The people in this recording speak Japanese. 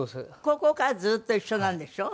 高校からずっと一緒なんでしょ？